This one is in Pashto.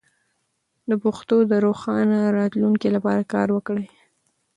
د پښتو د روښانه راتلونکي لپاره کار وکړئ.